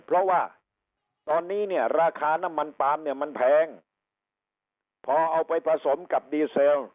เพราะว่าตอนนี้เนี่ยราคาน้ำมันปาล์มเนี่ยมันแพงพอเอาไปผสมกับดีเซล